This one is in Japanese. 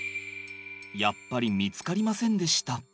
やっぱり見つかりませんでした。